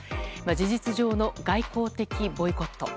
事実上の外交的ボイコット。